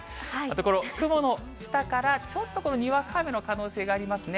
この雲の下からちょっとにわか雨の可能性がありますね。